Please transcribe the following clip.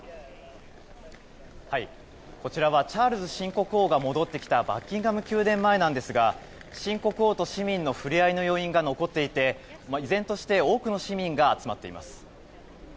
こちらはチャールズ新国王が戻ってきたバッキンガム宮殿前ですが新国王と市民の触れ合いの余韻が残っていて、依然として多くの市民が集まっています。